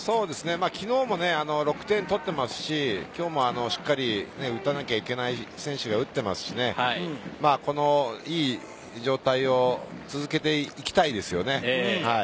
昨日も６点取ってますし今日もしっかり打たなければいけない選手が打ってますしいい状態を続けていきたいですよね。